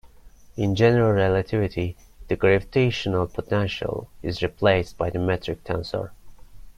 In general relativity, the gravitational potential is replaced by the metric tensor.